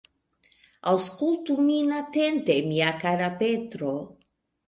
Aŭskultu min atente, mia kara Petro.